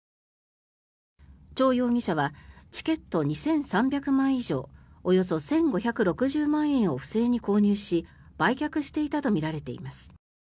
チョウ容疑者はチケット２３００枚以上およそ１５６０万円を不正に購入し売却していたとみられています。